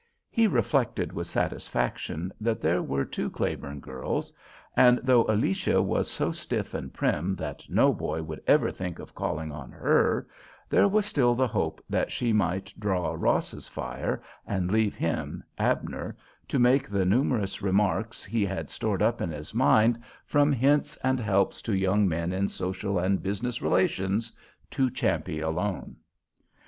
He reflected with satisfaction that there were two Claiborne girls, and though Alicia was so stiff and prim that no boy would ever think of calling on her, there was still the hope that she might draw Ross's fire, and leave him, Abner, to make the numerous remarks he had stored up in his mind from Hints and Helps to Young Men in Social and Business Relations to Champe alone.